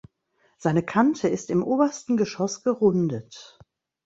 Seine Kante ist im obersten Geschoss gerundet.